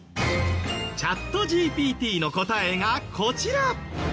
チャットＧＰＴの答えがこちら！